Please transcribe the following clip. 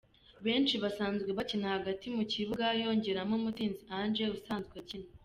benshi basanzwe bakina hagati mu kibuga yongeramo Mutsinzi Ange usanzwe akina